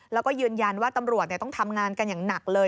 แล้วก็ยืนยันว่าตำรวจต้องทำงานกันอย่างหนักเลย